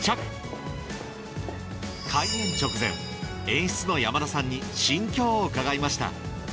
演出の山田さんに心境を伺いました